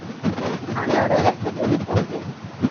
Andare a letto con i polli.